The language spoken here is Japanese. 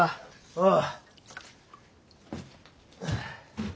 ああ。